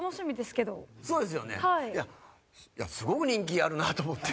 いやすごく人気があるなと思って。